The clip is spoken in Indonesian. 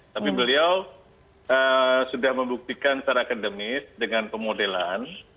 tapi beliau sudah membuktikan secara akademis dengan pemodelan